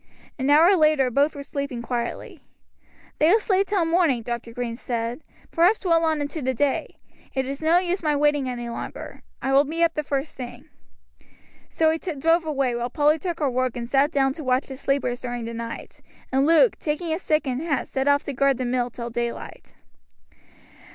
An hour later both were sleeping quietly. "They will sleep till morning," Dr. Green said, "perhaps well on into the day; it is no use my waiting any longer. I will be up the first thing." So he drove away, while Polly took her work and sat down to watch the sleepers during the night, and Luke, taking his stick and hat, set off to guard the mill till daylight.